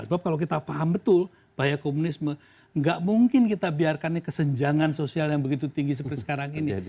sebab kalau kita paham betul bahaya komunisme nggak mungkin kita biarkan ini kesenjangan sosial yang begitu tinggi seperti sekarang ini